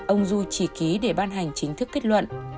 ông du chỉ ký để ban hành chính thức kết luận